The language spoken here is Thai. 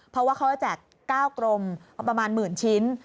เพราะว่าเขาจะแจก๙กรมประมาณหมื่นชิ้น